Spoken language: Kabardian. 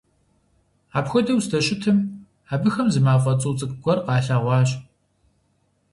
Апхуэдэу зыдэщытым, абыхэм зы мафӀэ цӀу цӀыкӀу гуэр къалъэгъуащ.